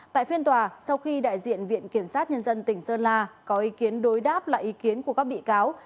tại phiên tòa sau khi đại diện viện kiểm sát nhân dân tỉnh sơn la có ý kiến đối đáp lại ý kiến của các bị cáo